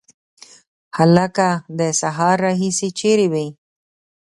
هلکه د سهار راهیسي چیري وې؟